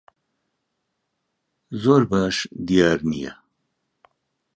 زۆر باش دیار نییە.